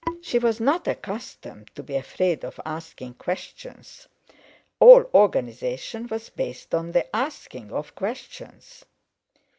She was not accustomed to be afraid of asking questions—all organization was based on the asking of questions!